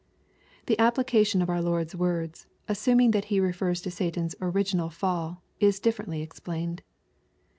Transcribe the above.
The application of our Lord's words, assuming that He refers to Satan's original fall, is differently explained.